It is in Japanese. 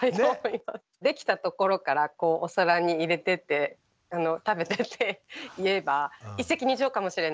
できたところからこうお皿に入れてって「食べて！」って言えば一石二鳥かもしれないです。